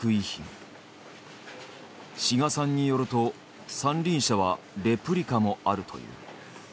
志賀さんによると三輪車はレプリカもあるという。